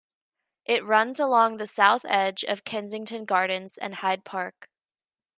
It runs along the south edge of Kensington Gardens and Hyde Park.